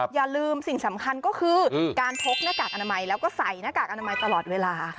อย่าลืมสิ่งสำคัญก็คือการพกหน้ากากอนามัยแล้วก็ใส่หน้ากากอนามัยตลอดเวลา